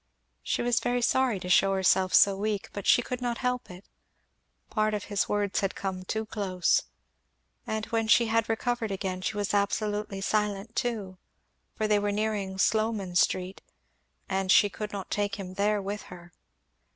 She was very sorry to shew herself so weak, but she could not help it; part of his words had come too close. And when she had recovered again she was absolutely silent too, for they were nearing Sloman street and she could not take him there with her.